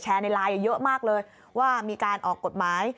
ในไลน์เยอะมากเลยว่ามีการออกกฎหมาย